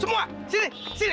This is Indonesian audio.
semua sini sini